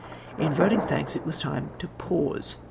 In voting thanks it was time to j^ause.